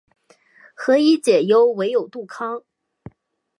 何以解忧，唯有杜康